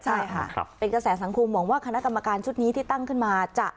ใช่ค่ะเป็นกระแสสังคมหวังว่าคณะกรรมการชุดนี้ที่ตั้งขึ้นมาจะ